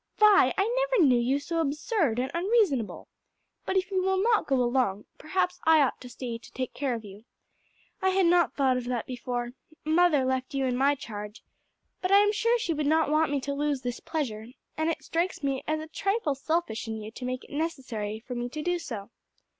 "Vi, I never knew you so absurd and unreasonable! But if you will not go along, perhaps I ought to stay to take care of you. I had not thought of that before. Mother left you in my charge, but I am sure she would not want me to lose this pleasure, and it strikes me as a trifle selfish in you to make it necessary for me to do so."